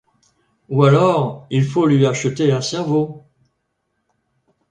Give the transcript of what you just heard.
Ou alors il faut lui acheter un cerveau.